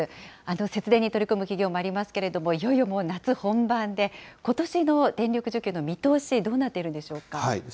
節電に取り組む企業もありますけれども、いよいよもう夏本番で、ことしの電力需給の見通し、どうなっているんでしょうか。